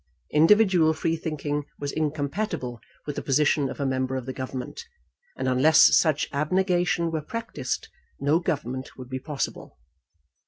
Individual free thinking was incompatible with the position of a member of the Government, and unless such abnegation were practised, no government would be possible.